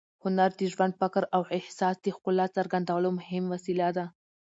هنر د ژوند، فکر او احساس د ښکلا څرګندولو مهم وسیله ده.